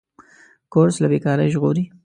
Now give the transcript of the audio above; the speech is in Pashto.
کورس له بېکارۍ ژغوري.